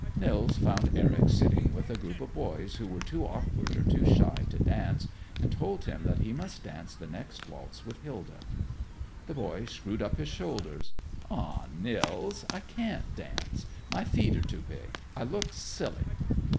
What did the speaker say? Nils found Eric sitting with a group of boys who were too awkward or too shy to dance, and told him that he must dance the next waltz with Hilda. The boy screwed up his shoulders. "Aw, Nils, I can't dance. My feet are too big; I look silly."